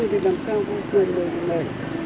thì giờ cháu nháy xong rồi cô